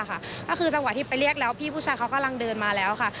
ก็คือจังหวะที่ไปเรียกแล้วพี่ผู้ชายเขากำลังเดินมาแล้วค่ะ